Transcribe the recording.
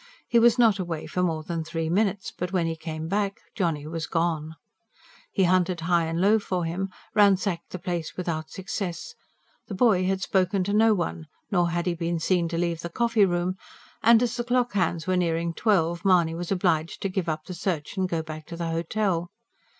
He was not away for more than three minutes, but when he came back Johnny was gone. He hunted high and low for him, ransacked the place without success: the boy had spoken to no one, nor had he been seen to leave the coffee room; and as the clock hands were nearing twelve, Mahony was obliged to give up the search and go back to the hotel.